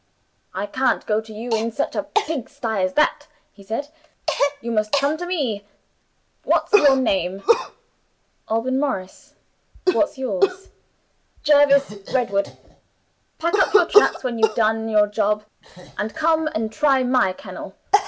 'I can't go to you in such a pigstye as that,' he said; 'you must come to me. What's your name?' 'Alban Morris; what's yours?' 'Jervis Redwood. Pack up your traps when you've done your job, and come and try my kennel.